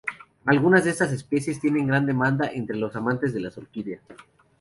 Algunas de estas especies tienen gran demanda entre los amantes de las orquídeas.